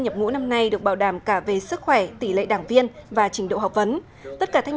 nhập ngũ năm nay được bảo đảm cả về sức khỏe tỷ lệ đảng viên và trình độ học vấn tất cả thanh